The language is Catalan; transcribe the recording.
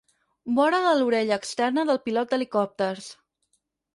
Vora de l'orella externa del pilot d'helicòpters.